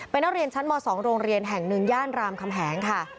เป็นนักเรียนชั้นม๒โรงเรียนแห่งหนึ่งย่านรามคำแหงค่ะ